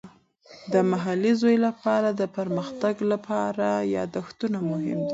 د محلي زوی لپاره د پرمختګ لپاره یادښتونه مهم دي.